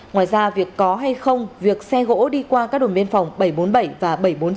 ngoài ra việc có hay không việc xe gỗ đi qua các đồn biên phòng bảy trăm bốn mươi bảy và bảy trăm bốn mươi sáu